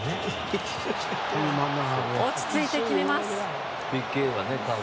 落ち着いて決めます。